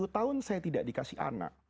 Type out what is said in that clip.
sembilan puluh tahun saya tidak dikasih anak